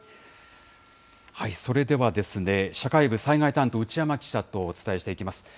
それでは、社会部災害担当、内山記者とお伝えしていきます。